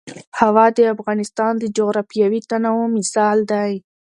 هوا د افغانستان د جغرافیوي تنوع مثال دی.